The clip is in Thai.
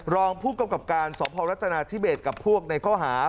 รองผู้กรรมกรรมการสอบพรวงรัฐนาธิเบตกับพวกในข้อหา